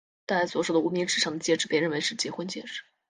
戴左手的无名指上的戒指被认为是结婚戒指。